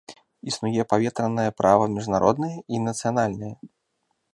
Існуе паветранае права міжнароднае і нацыянальнае.